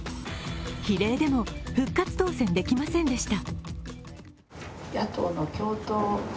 比例でも復活当選できませんでした。